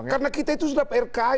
karena kita itu sudah prki